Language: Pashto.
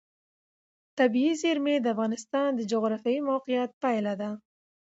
طبیعي زیرمې د افغانستان د جغرافیایي موقیعت پایله ده.